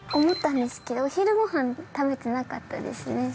思ったんですけど、お昼ごはん食べてなかったですね。